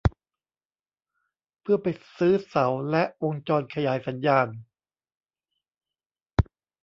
เพื่อไปซื้อเสาและวงจรขยายสัญญาณ